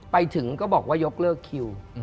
ไปถึงก็บอกว่ายกเลิกคิว